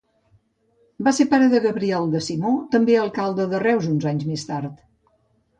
Va ser pare de Gabriel de Simó, també alcalde de Reus uns anys més tard.